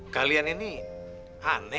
tadi tante di sini